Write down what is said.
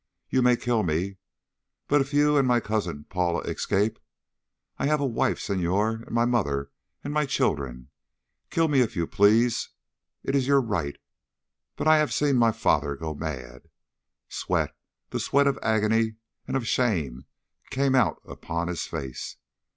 "You may kill me. But if you and my cousin Paula escaped.... I have a wife, Senhor, and my mother, and my children. Kill me if you please. It is your right. But I have seen my father go mad." Sweat, the sweat of agony and of shame, came out upon his face.